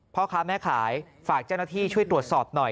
พ่อค้าแม่ขายฝากเจ้าหน้าที่ช่วยตรวจสอบหน่อย